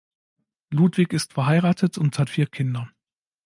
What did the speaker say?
Ludwig ist verheiratet und hat vier Kinder.